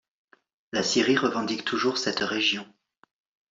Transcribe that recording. La Syrie revendique toujours cette région.